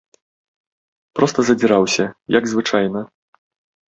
Проста задзіраўся, як звычайна.